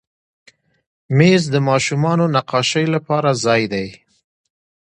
مېز د ماشومانو نقاشۍ لپاره ځای دی.